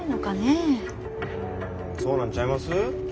んそうなんちゃいます？